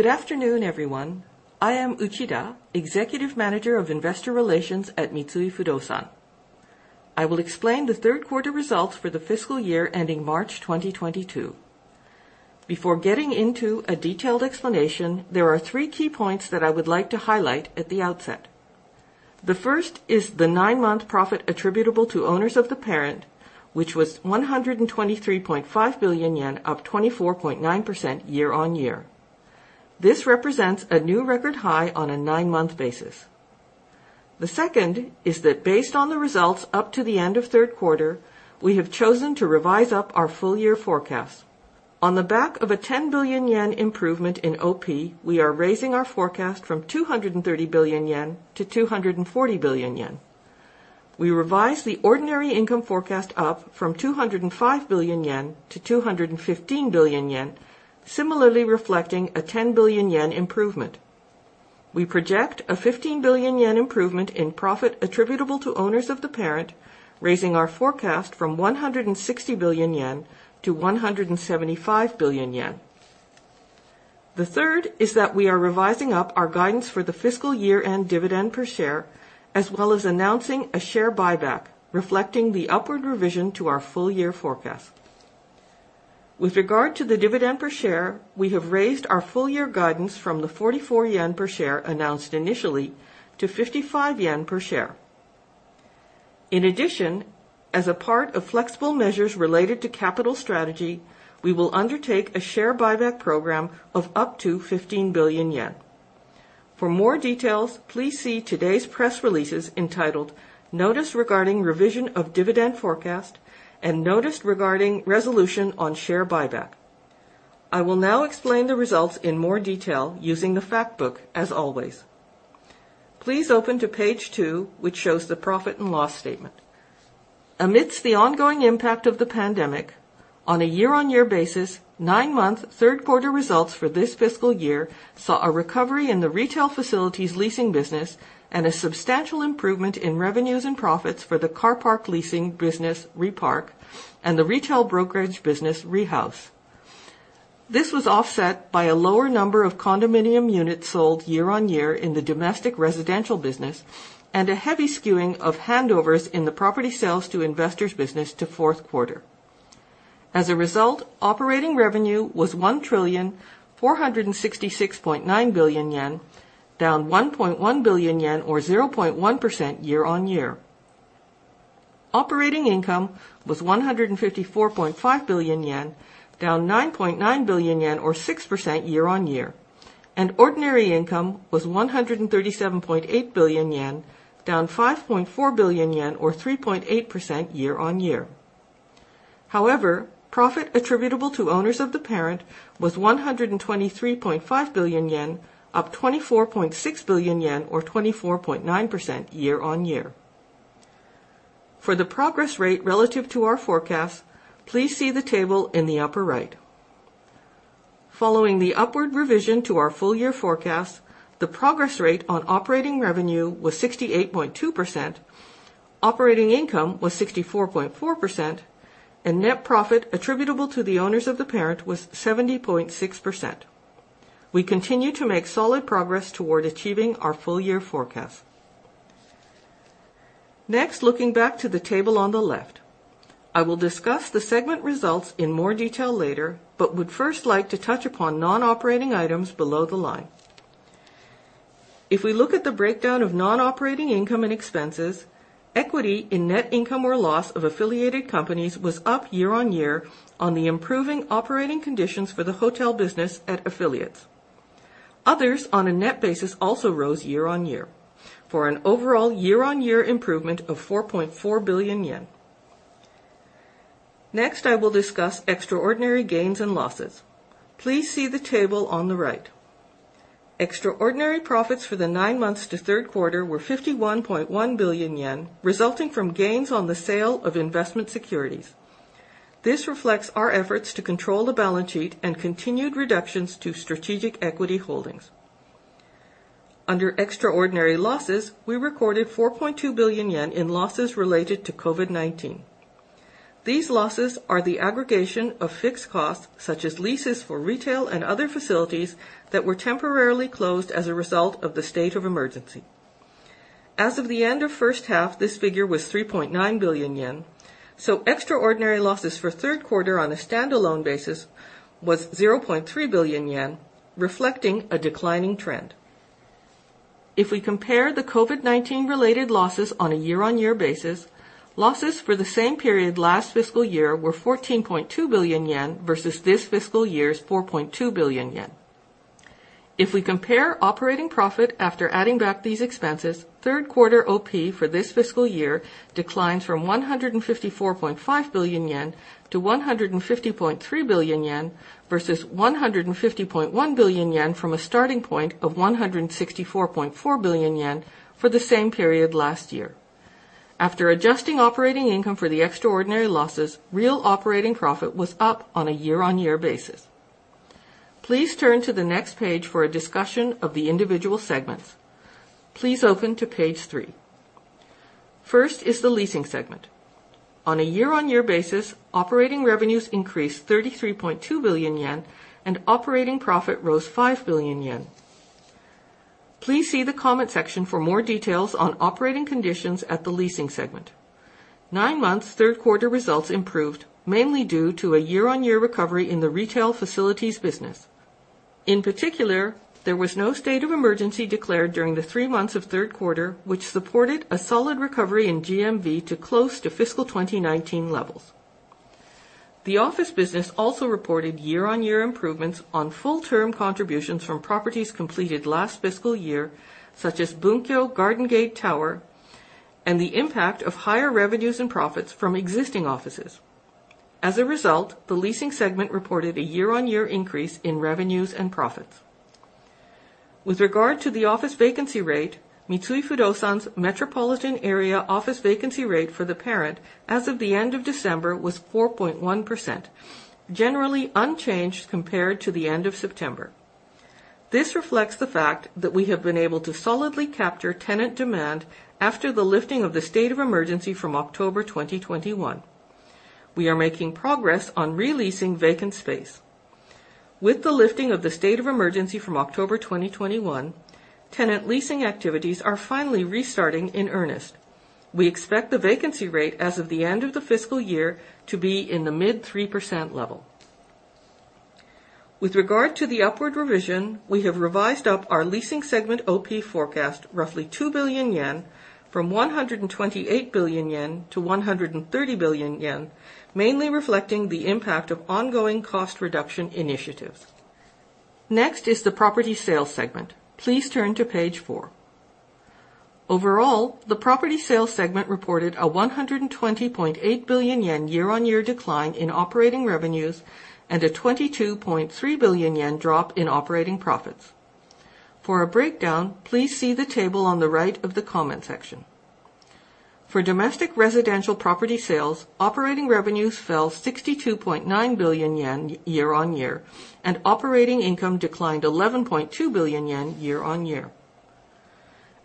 Good afternoon, everyone. I am Uchida, Executive Manager of Investor Relations at Mitsui Fudosan. I will explain the third quarter results for the fiscal year ending March 2022. Before getting into a detailed explanation, there are three key points that I would like to highlight at the outset. The first is the nine-month profit attributable to owners of the parent, which was 123.5 billion yen, up 24.9% year-on-year. This represents a new record high on a nine-month basis. The second is that based on the results up to the end of third quarter, we have chosen to revise up our full year forecasts. On the back of a 10 billion yen improvement in OP, we are raising our forecast from 230 billion yen to 240 billion yen. We revised the ordinary income forecast up from 205 billion yen to 215 billion yen, similarly reflecting a 10 billion yen improvement. We project a 15 billion yen improvement in profit attributable to owners of the parent, raising our forecast from 160 billion yen to 175 billion yen. The third is that we are revising up our guidance for the fiscal year-end dividend per share, as well as announcing a share buyback, reflecting the upward revision to our full year forecast. With regard to the dividend per share, we have raised our full year guidance from the 44 yen per share announced initially to 55 yen per share. In addition, as a part of flexible measures related to capital strategy, we will undertake a share buyback program of up to 15 billion yen. For more details, please see today's press releases entitled Notice Regarding Revision of Dividend Forecast and Notice Regarding Resolution on Share Buyback. I will now explain the results in more detail using the fact book as always. Please open to page two, which shows the profit and loss statement. Amidst the ongoing impact of the pandemic on a year-on-year basis, nine-month third quarter results for this fiscal year saw a recovery in the retail facilities leasing business and a substantial improvement in revenues and profits for the car park leasing business Mitsui Repark and the retail brokerage business Mitsui Rehouse. This was offset by a lower number of condominium units sold year-on-year in the domestic residential business and a heavy skewing of handovers in the property sales to investors business to fourth quarter. As a result, operating revenue was 1,466.9 billion yen, down 1.1 billion yen, or 0.1% year-on-year. Operating income was 154.5 billion yen, down 9.9 billion yen or 6% year-on-year, and ordinary income was 137.8 billion yen, down 5.4 billion yen or 3.8% year-on-year. However, profit attributable to owners of the parent was 123.5 billion yen, up 24.6 billion yen or 24.9% year-on-year. For the progress rate relative to our forecast, please see the table in the upper right. Following the upward revision to our full year forecast, the progress rate on operating revenue was 68.2%, operating income was 64.4%, and net profit attributable to the owners of the parent was 70.6%. We continue to make solid progress toward achieving our full year forecast. Next, looking back to the table on the left, I will discuss the segment results in more detail later, but would first like to touch upon non-operating items below the line. If we look at the breakdown of non-operating income and expenses, equity in net income or loss of affiliated companies was up year-on-year on the improving operating conditions for the hotel business at affiliates. Others on a net basis also rose year-on-year for an overall year-on-year improvement of 4.4 billion yen. Next, I will discuss extraordinary gains and losses. Please see the table on the right. Extraordinary profits for the nine months to third quarter were 51.1 billion yen, resulting from gains on the sale of investment securities. This reflects our efforts to control the balance sheet and continued reductions to strategic equity holdings. Under extraordinary losses, we recorded 4.2 billion yen in losses related to COVID-19. These losses are the aggregation of fixed costs such as leases for retail and other facilities that were temporarily closed as a result of the state of emergency. As of the end of first half, this figure was 3.9 billion yen. Extraordinary losses for third quarter on a standalone basis was 0.3 billion yen, reflecting a declining trend. If we compare the COVID-19 related losses on a year-on-year basis, losses for the same period last fiscal year were 14.2 billion yen versus this fiscal year's 4.2 billion yen. If we compare operating profit after adding back these expenses, third quarter OP for this fiscal year declines from 154.5 billion yen to 150.3 billion yen versus 150.1 billion yen from a starting point of 164.4 billion yen for the same period last year. After adjusting operating income for the extraordinary losses, real operating profit was up on a year-on-year basis. Please turn to the next page for a discussion of the individual segments. Please open to page three. First is the Leasing segment. On a year-on-year basis, operating revenues increased 33.2 billion yen and operating profit rose 5 billion yen. Please see the comment section for more details on operating conditions at the leasing segment. Nine-month third-quarter results improved mainly due to a year-on-year recovery in the retail facilities business. In particular, there was no state of emergency declared during the three months of third quarter, which supported a solid recovery in GMV to close to fiscal 2019 levels. The office business also reported year-on-year improvements on full term contributions from properties completed last fiscal year, such as Bunkyo Garden Gate Tower and the impact of higher revenues and profits from existing offices. As a result, the leasing segment reported a year-on-year increase in revenues and profits. With regard to the office vacancy rate, Mitsui Fudosan's Metropolitan Area office vacancy rate for the parent as of the end of December was 4.1%, generally unchanged compared to the end of September. This reflects the fact that we have been able to solidly capture tenant demand after the lifting of the state of emergency from October 2021. We are making progress on re-leasing vacant space. With the lifting of the state of emergency from October 2021, tenant leasing activities are finally restarting in earnest. We expect the vacancy rate as of the end of the fiscal year to be in the mid-3% level. With regard to the upward revision, we have revised up our leasing segment OP forecast roughly 2 billion yen from 128 billion yen to 130 billion yen, mainly reflecting the impact of ongoing cost reduction initiatives. Next is the property sales segment. Please turn to page four. Overall, the property sales segment reported a 120.8 billion yen year-on-year decline in operating revenues and a 22.3 billion yen drop in operating profits. For a breakdown, please see the table on the right of the comment section. For domestic residential property sales, operating revenues fell 62.9 billion yen year-on-year, and operating income declined 11.2 billion yen year-on-year.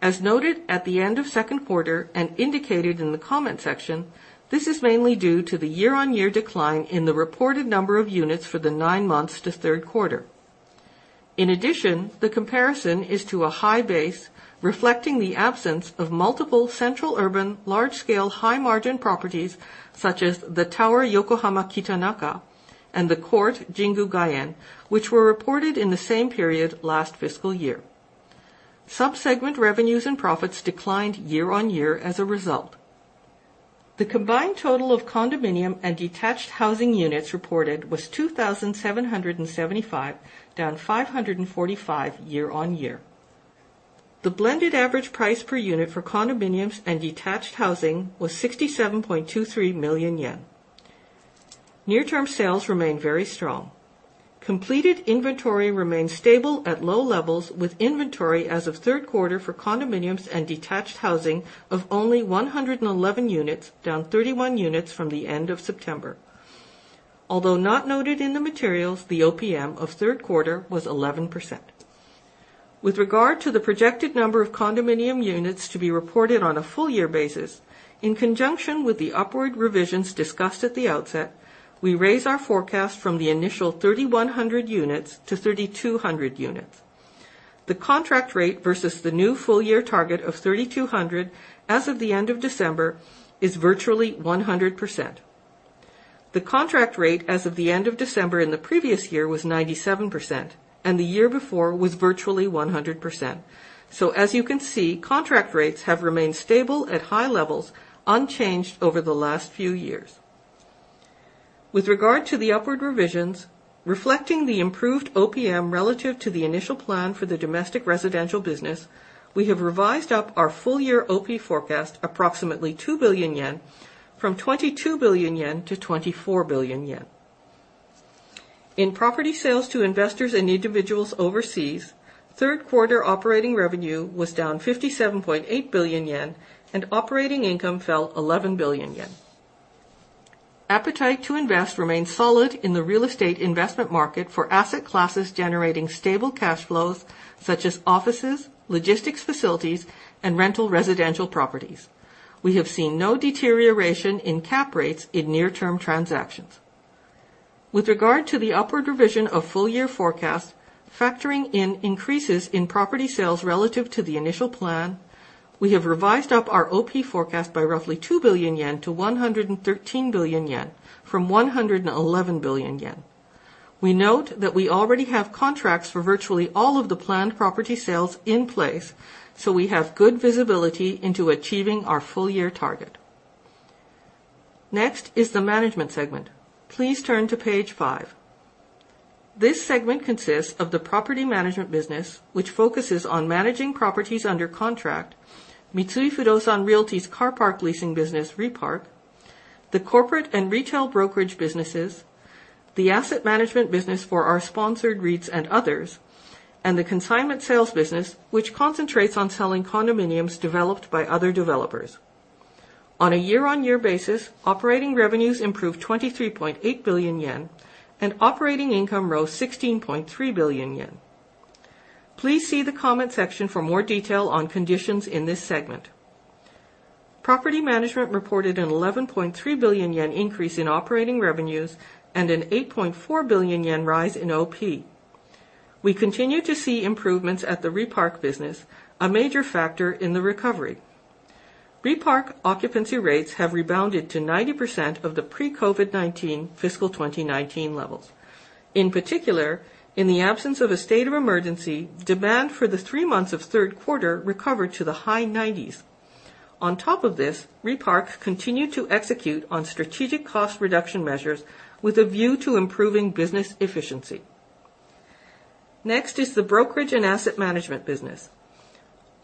As noted at the end of second quarter and indicated in the comment section, this is mainly due to the year-on-year decline in the reported number of units for the nine months to third quarter. In addition, the comparison is to a high base, reflecting the absence of multiple central urban large-scale high-margin properties such as The Tower Yokohama Kitanaka and The Court Jingu Gaien, which were reported in the same period last fiscal year. Sub-segment revenues and profits declined year-on-year as a result. The combined total of condominium and detached housing units reported was 2,775, down 545 year-on-year. The blended average price per unit for condominiums and detached housing was 67.23 million yen. Near-term sales remain very strong. Completed inventory remains stable at low levels with inventory as of third quarter for condominiums and detached housing of only 111 units, down 31 units from the end of September. Although not noted in the materials, the OPM of third quarter was 11%. With regard to the projected number of condominium units to be reported on a full year basis, in conjunction with the upward revisions discussed at the outset, we raise our forecast from the initial 3,100 units to 3,200 units. The contract rate versus the new full year target of 3,200 as of the end of December is virtually 100%. The contract rate as of the end of December in the previous year was 97%, and the year before was virtually 100%. As you can see, contract rates have remained stable at high levels, unchanged over the last few years. With regard to the upward revisions, reflecting the improved OPM relative to the initial plan for the domestic residential business, we have revised up our full year OP forecast approximately 2 billion yen from 22 billion yen to 24 billion yen. In property sales to investors and individuals overseas, third quarter operating revenue was down 57.8 billion yen and operating income fell 11 billion yen. Appetite to invest remains solid in the real estate investment market for asset classes generating stable cash flows such as offices, logistics facilities, and rental residential properties. We have seen no deterioration in cap rates in near-term transactions. With regard to the upward revision of full year forecast, factoring in increases in property sales relative to the initial plan, we have revised up our OP forecast by roughly 2 billion yen to 113 billion yen from 111 billion yen. We note that we already have contracts for virtually all of the planned property sales in place, so we have good visibility into achieving our full year target. Next is the management segment. Please turn to page five. This segment consists of the property management business, which focuses on managing properties under contract, Mitsui Fudosan Realty's car park leasing business, Mitsui Repark, the corporate and retail brokerage businesses, the asset management business for our sponsored REITs and others, and the consignment sales business, which concentrates on selling condominiums developed by other developers. On a year-on-year basis, operating revenues improved 23.8 billion yen and operating income rose 16.3 billion yen. Please see the comment section for more detail on conditions in this segment. Property management reported an 11.3 billion yen increase in operating revenues and an 8.4 billion yen rise in OP. We continue to see improvements at the Repark business, a major factor in the recovery. Repark occupancy rates have rebounded to 90% of the pre-COVID-19 fiscal 2019 levels. In particular, in the absence of a state of emergency, demand for the three months of third quarter recovered to the high 90s. On top of this, Repark continued to execute on strategic cost reduction measures with a view to improving business efficiency. Next is the brokerage and asset management business.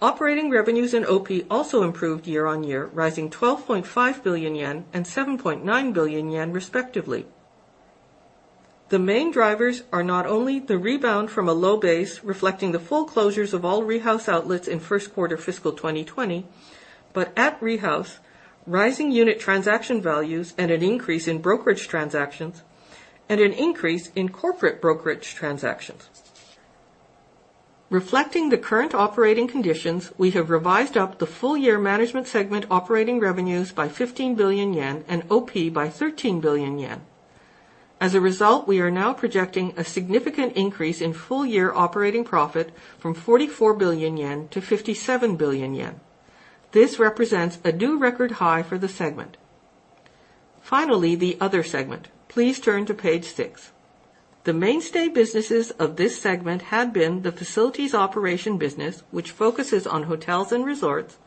Operating revenues and OP also improved year-on-year, rising 12.5 billion yen and 7.9 billion yen respectively. The main drivers are not only the rebound from a low base reflecting the full closures of all Rehouse outlets in first quarter fiscal 2020, but at Rehouse, rising unit transaction values and an increase in brokerage transactions and an increase in corporate brokerage transactions. Reflecting the current operating conditions, we have revised up the full year management segment operating revenues by 15 billion yen and OP by 13 billion yen. As a result, we are now projecting a significant increase in full year operating profit from 44 billion yen to 57 billion yen. This represents a new record high for the segment. Finally, the other segment. Please turn to page six. The mainstay businesses of this segment had been the facilities operation business, which focuses on hotels and resorts,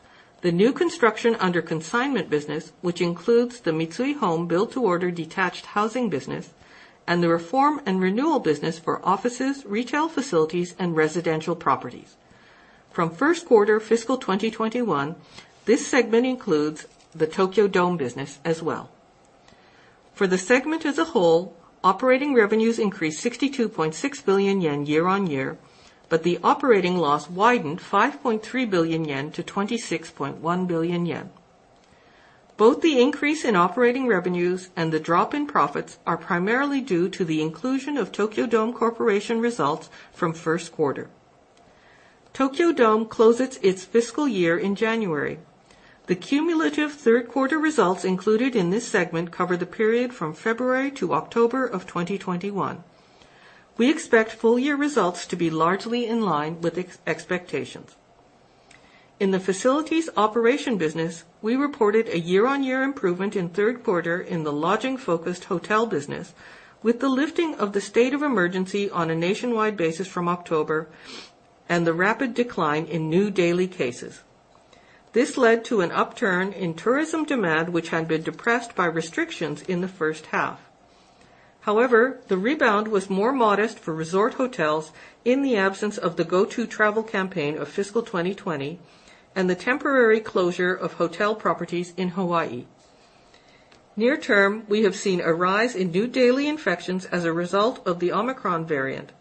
the new construction under consignment business, which includes the Mitsui Home built-to-order detached housing business, and the reform and renewal business for offices, retail facilities, and residential properties. From first quarter fiscal 2021, this segment includes the Tokyo Dome business as well. For the segment as a whole, operating revenues increased 62.6 billion yen year-over-year, but the operating loss widened 5.3 billion yen to 26.1 billion yen. Both the increase in operating revenues and the drop in profits are primarily due to the inclusion of Tokyo Dome Corporation results from first quarter. Tokyo Dome closes its fiscal year in January. The cumulative third quarter results included in this segment cover the period from February to October of 2021. We expect full year results to be largely in line with expectations. In the facilities operation business, we reported a year-on-year improvement in third quarter in the lodging-focused hotel business with the lifting of the state of emergency on a nationwide basis from October and the rapid decline in new daily cases. This led to an upturn in tourism demand, which had been depressed by restrictions in the first half. However, the rebound was more modest for resort hotels in the absence of the Go To Travel campaign of fiscal 2020 and the temporary closure of hotel properties in Hawaii. Near-term, we have seen a rise in new daily infections as a result of the Omicron variant.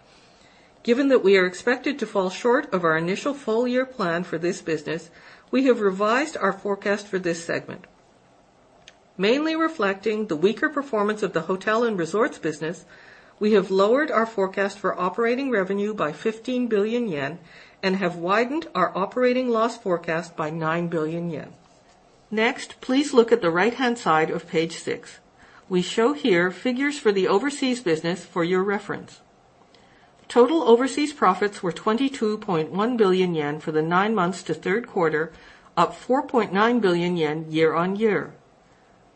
Given that we are expected to fall short of our initial full year plan for this business, we have revised our forecast for this segment. Mainly reflecting the weaker performance of the hotel and resorts business, we have lowered our forecast for operating revenue by 15 billion yen and have widened our operating loss forecast by 9 billion yen. Next, please look at the right-hand side of page six. We show here figures for the overseas business for your reference. Total overseas profits were 22.1 billion yen for the nine months to third quarter, up 4.9 billion yen year on year.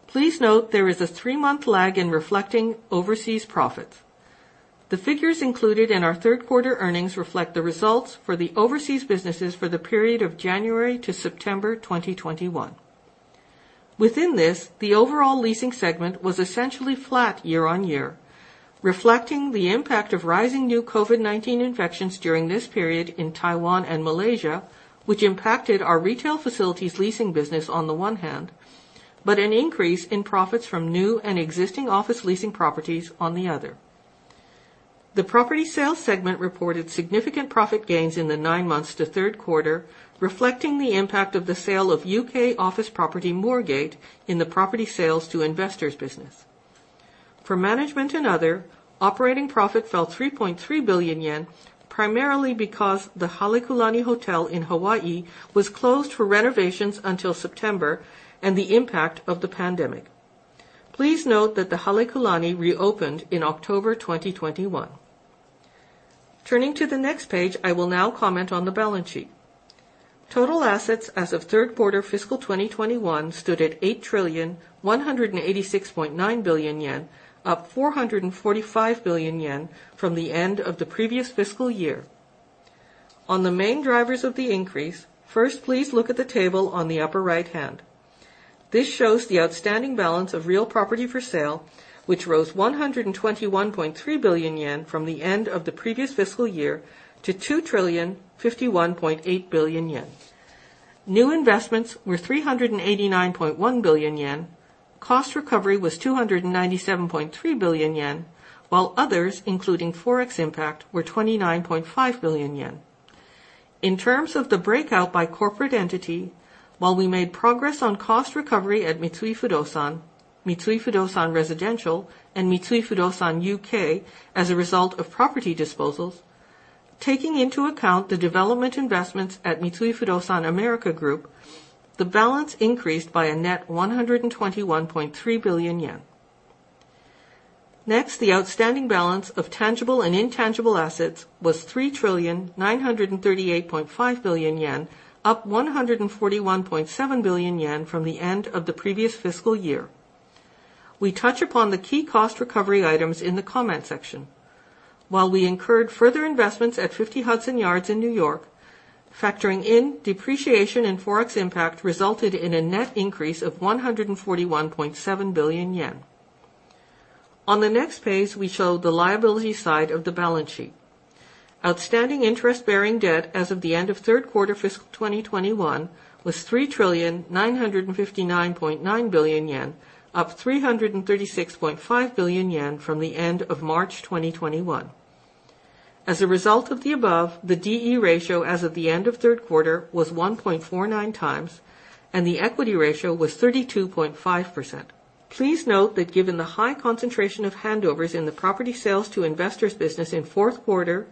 Please note there is a three-month lag in reflecting overseas profits. The figures included in our third quarter earnings reflect the results for the overseas businesses for the period of January to September 2021. Within this, the overall leasing segment was essentially flat year-over-year, reflecting the impact of rising new COVID-19 infections during this period in Taiwan and Malaysia, which impacted our retail facilities leasing business on the one hand, but an increase in profits from new and existing office leasing properties on the other. The property sales segment reported significant profit gains in the nine months to third quarter, reflecting the impact of the sale of U.K. office property Moorgate in the property sales to investors business. For management and other, operating profit fell 3.3 billion yen, primarily because the Halekulani Hotel in Hawaii was closed for renovations until September and the impact of the pandemic. Please note that the Halekulani reopened in October 2021. Turning to the next page, I will now comment on the balance sheet. Total assets as of third quarter FY 2021 stood at 8,186.9 billion yen, up 445 billion yen from the end of the previous fiscal year. On the main drivers of the increase, first, please look at the table on the upper right hand. This shows the outstanding balance of real property for sale, which rose 121.3 billion yen from the end of the previous fiscal year to 2,051.8 billion yen. New investments were 389.1 billion yen. Cost recovery was 297.3 billion yen, while others, including forex impact, were 29.5 billion yen. In terms of the breakdown by corporate entity, while we made progress on cost recovery at Mitsui Fudosan, Mitsui Fudosan Residential, and Mitsui Fudosan (U.K.) as a result of property disposals, taking into account the development investments at Mitsui Fudosan America group, the balance increased by a net 121.3 billion yen. Next, the outstanding balance of tangible and intangible assets was 3,938.5 billion yen, up 141.7 billion yen from the end of the previous fiscal year. We touch upon the key cost recovery items in the comment section. While we incurred further investments at Hudson Yards in New York, factoring in depreciation and Forex impact resulted in a net increase of 141.7 billion yen. On the next page, we show the liability side of the balance sheet. Outstanding interest-bearing debt as of the end of third quarter fiscal 2021 was 3,959.9 billion yen, up 336.5 billion yen from the end of March 2021. As a result of the above, the D/E ratio as of the end of third quarter was 1.49 times, and the equity ratio was 32.5%. Please note that given the high concentration of handovers in the property sales to investors business in fourth quarter,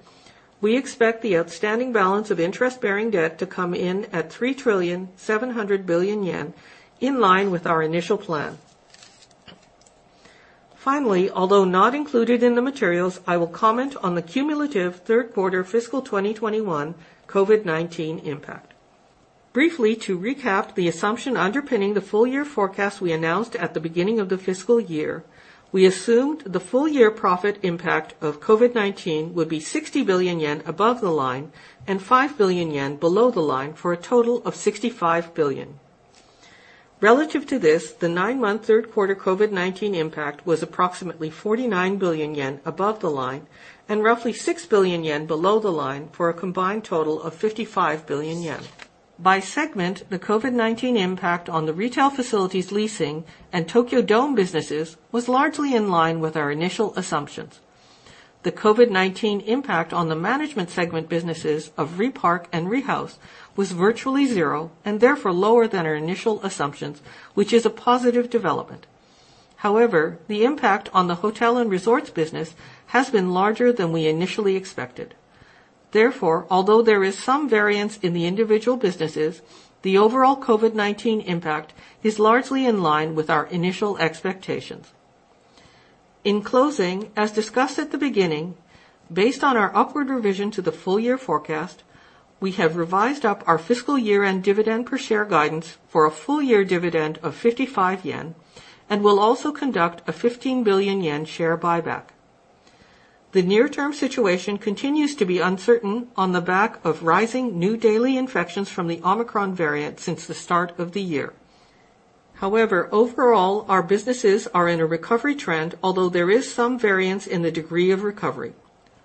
we expect the outstanding balance of interest-bearing debt to come in at 3.7 trillion in line with our initial plan. Finally, although not included in the materials, I will comment on the cumulative third quarter fiscal 2021 COVID-19 impact. Briefly, to recap the assumption underpinning the full year forecast we announced at the beginning of the fiscal year, we assumed the full year profit impact of COVID-19 would be 60 billion yen above the line and 5 billion yen below the line for a total of 65 billion. Relative to this, the nine-month third quarter COVID-19 impact was approximately 49 billion yen above the line and roughly 6 billion yen below the line for a combined total of 55 billion yen. By segment, the COVID-19 impact on the retail facilities leasing and Tokyo Dome businesses was largely in line with our initial assumptions. The COVID-19 impact on the management segment businesses of Repark and Rehouse was virtually zero and therefore lower than our initial assumptions, which is a positive development. However, the impact on the hotel and resorts business has been larger than we initially expected. Therefore, although there is some variance in the individual businesses, the overall COVID-19 impact is largely in line with our initial expectations. In closing, as discussed at the beginning, based on our upward revision to the full year forecast, we have revised up our fiscal year-end dividend per share guidance for a full year dividend of 55 yen and will also conduct a 15 billion yen share buyback. The near-term situation continues to be uncertain on the back of rising new daily infections from the Omicron variant since the start of the year. However, overall, our businesses are in a recovery trend, although there is some variance in the degree of recovery.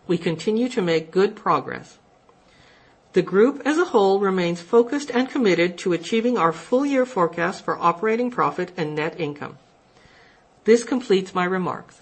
We continue to make good progress. The group as a whole remains focused and committed to achieving our full year forecast for operating profit and net income. This completes my remarks.